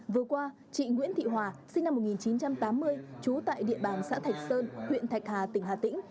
vừa qua chị nguyễn thị hòa sinh năm một nghìn chín trăm tám mươi trú tại địa bàn xã thạch sơn huyện thạch hà tỉnh hà tĩnh